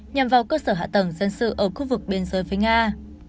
nhằm vào cơ sở hạ tầng dân sự ở khu vực biên giới với nga